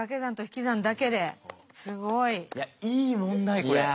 すごい。いやいい問題これ。